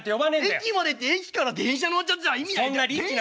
駅まで行って駅から電車乗っちゃっちゃ意味ない。